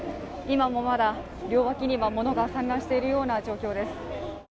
今もまだ両脇には物が散乱しているような状況です。